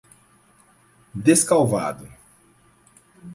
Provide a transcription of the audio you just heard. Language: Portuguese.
Descalvado